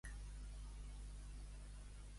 Cap de tupí, calces estretes, roba pessetes.